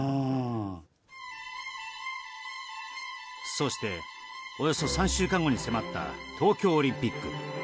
そして、およそ３週間後に迫った東京オリンピック。